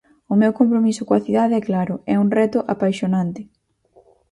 O meu compromiso coa cidade é claro, é un reto apaixonante.